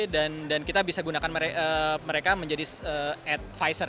dan kita bisa gunakan mereka menjadi advisor